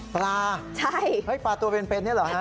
ปลาใช่ปลาตัวเป็นเนี่ยเหรอฮะ